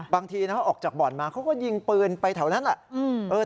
บางทีออกจากบ่อนมาเขาก็ยิงปืนไปแถวนั้นแหละ